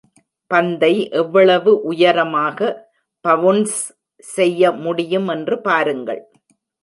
பந்தை எவ்வளவு உயரமாக பவுன்ஸ் செய்ய முடியும் என்று பாருங்கள்